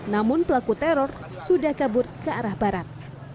namun pelaku teror sudah kabur ke arah barat